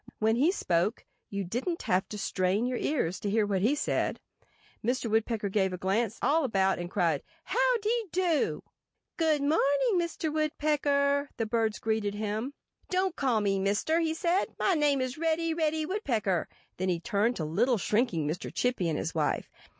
When he spoke you didn't have to strain your ears to hear what he said. Mr. Woodpecker gave a quick glance all about and cried, "How dy do!" "Good morning, Mr. Woodpecker!" the birds greeted him. "Don't call me 'Mister!'" he said. "My name is Reddy—Reddy Woodpecker." Then he turned to little, shrinking Mr. Chippy and his wife.